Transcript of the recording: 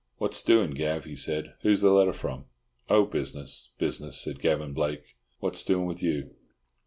"What's doing, Gav?" he said. "Who's the letter from?" "Oh, business—business" said Gavan Blake. "What's doing with you?"